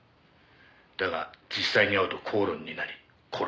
「だが実際に会うと口論になり殺してしまった」